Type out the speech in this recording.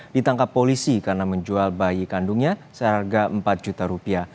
ditangkap polisi karena menjual bayi kandungnya seharga empat juta rupiah